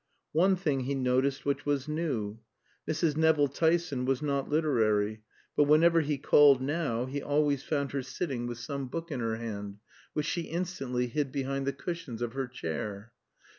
One thing he noticed which was new. Mrs. Nevill Tyson was not literary; but whenever he called now he always found her sitting with some book in her hand, which she instantly hid behind the cushions of her chair.